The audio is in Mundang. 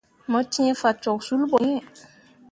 Mo cẽe fah cok sul ɓo iŋ.